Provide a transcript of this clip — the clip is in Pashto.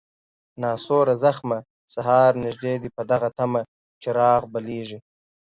ناسوره زخمه، سهار نژدې دی په دغه طمه، چراغ بلیږي